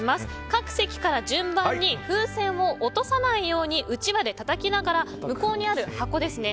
各席から順番に風船を落とさないようにうちわでたたきながら向こうにある箱ですね。